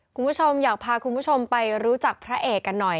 คุณผู้ชมอยากพาคุณผู้ชมไปรู้จักพระเอกกันหน่อย